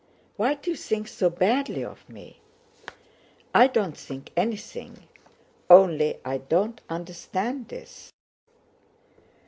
Why do you think so badly of me?" "I don't think anything, only I don't understand this..."